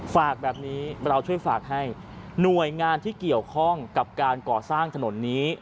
ฝากแบบนี้เราช่วยฝากให้หน่วยงานที่เกี่ยวข้องกับการก่อสร้างถนนนี้